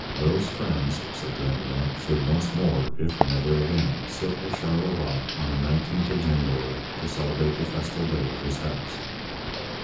Those friends, said Grandemont, should once more, if never again, sit at Charleroi on a nineteenth of January to celebrate the festal day of his house.